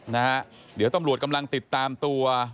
นะฮะเดี๋ยวตำรวจกำลังติดตามตัว